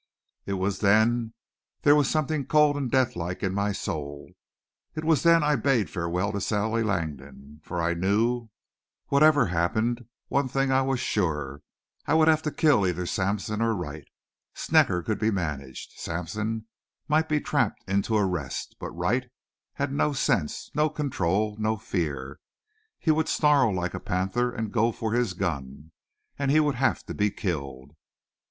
It was then there was something cold and deathlike in my soul; it was then I bade farewell to Sally Langdon. For I knew, whatever happened, of one thing I was sure I would have to kill either Sampson or Wright. Snecker could be managed; Sampson might be trapped into arrest; but Wright had no sense, no control, no fear. He would snarl like a panther and go for his gun, and he would have to be killed.